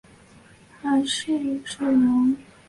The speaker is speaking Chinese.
还是只能搭终电